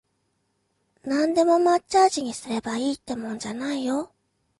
なんでも抹茶味にすればいいってもんじゃないよ